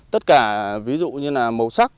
tất cả ví dụ như màu sắc